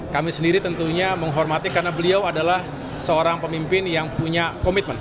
kami sendiri tentunya menghormati karena beliau adalah seorang pemimpin yang punya komitmen